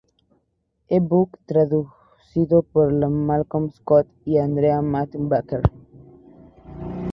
Ebook, traducido por Ian Malcolm Scott y Andrea Matte-Baker.